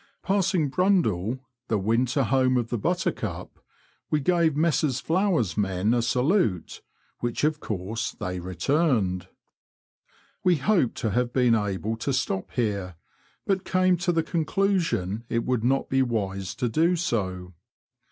Passing Brundall, the winter home of the Buttercup, we gave Messrs Flowers' men a salute, which of course they returned. We hoped to have been able to stop here, but came to the conclusion it would not be wise to do so.